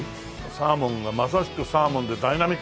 サーモンがまさしくサーモンでダイナミックだね